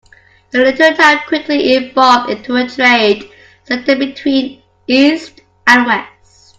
The little town quickly evolved into a trade center between east and west.